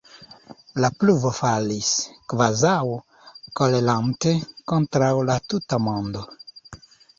La pluvo falis, kvazaŭ kolerante kontraŭ la tuta mondo.